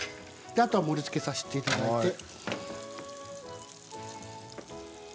あとは盛りつけをさせていただきます。